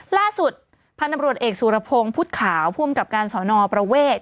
ล่าสุดพันธุ์ตำรวจเอกสุรพงศ์พุทธขาวผู้อำกับการสอนอประเวท